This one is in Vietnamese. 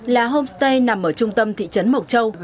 là homestay nằm ở trung tâm thị trấn mộc châu